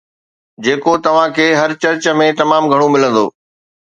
جيڪو توهان کي هر چرچ ۾ تمام گهڻو ملندو